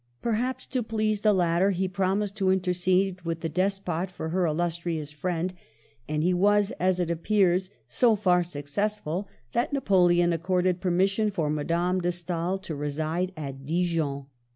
Perhaps to please the latter, he promised to intercede with the despot for heF illustrious friend ; and he was, as it appears, so far successful that Napoleon accorded permission for Madame de Stael to reside at Dijon.